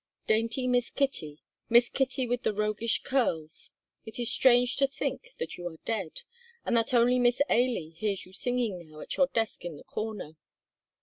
Dainty Miss Kitty, Miss Kitty with the roguish curls, it is strange to think that you are dead, and that only Miss Ailie hears you singing now at your desk in the corner!